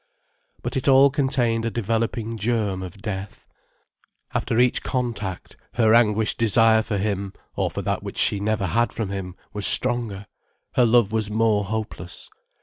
But it all contained a developing germ of death. After each contact, her anguished desire for him or for that which she never had from him was stronger, her love was more hopeless.